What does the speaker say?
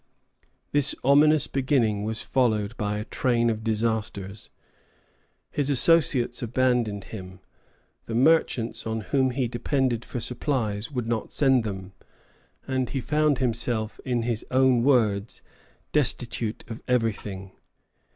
This ominous beginning was followed by a train of disasters. His associates abandoned him; the merchants on whom he depended for supplies would not send them, and he found himself, in his own words "destitute of everything."